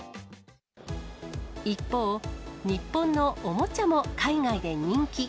一方、日本のおもちゃも海外で人気。